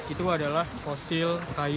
itu adalah fosil kayu